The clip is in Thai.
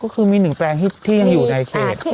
คือมีหนึ่งแปลงที่ยังอยู่ในเขต